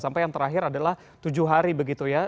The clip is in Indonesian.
sampai yang terakhir adalah tujuh hari begitu ya